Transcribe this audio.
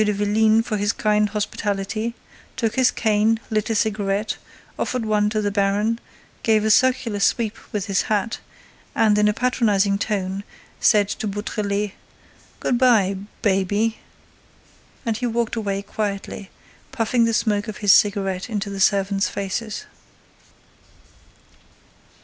de Vélines for his kind hospitality, took his cane, lit a cigarette, offered one to the baron, gave a circular sweep with his hat and, in a patronizing tone, said to Beautrelet: "Good bye, baby." And he walked away quietly, puffing the smoke of his cigarette into the servants' faces.